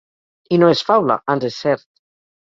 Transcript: I no és faula, ans és cert.